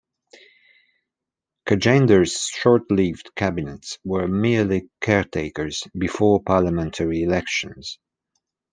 Cajander's short-lived cabinets were merely caretakers before parliamentary elections.